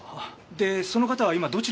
でその方は今どちらに？